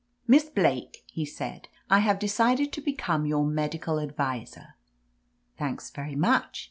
"Miss Blake," he said, "I have decided to become your medical adviser !" "Thanks very much!"